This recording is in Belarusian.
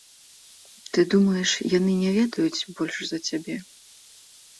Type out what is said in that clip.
Ты думаеш, яны не ведаюць больш за цябе?